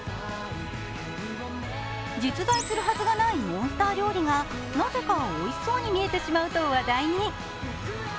実在するはずがないモンスター料理がなぜかおいしそうに見えてしまうと話題に。